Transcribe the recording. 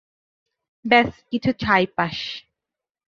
ব্যস কিছু ছাইপাঁশ।